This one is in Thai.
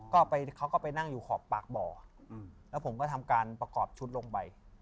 ก็ไปเขาก็ไปนั่งอยู่ขอบปากบ่อแล้วผมก็ทำการประกอบชุดลงไป